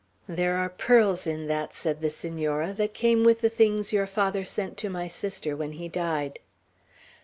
"There are pearls in that," said the Senora; "that came with the things your father sent to my sister when he died."